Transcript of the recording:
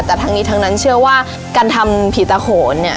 แต่ทั้งนี้ทั้งนั้นเชื่อว่าการทำผิดตาขน